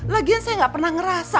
lagian saya gak pernah ngerasa